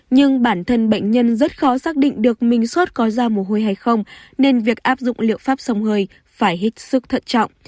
nhưng bản thân bệnh nhân rất khó xác định được mình sốt có ra mùa hôi hay không nên việc áp dụng liệu pháp sông hơi phải hết sức thận trọng